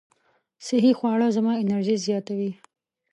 صحي خواړه زما انرژي زیاتوي.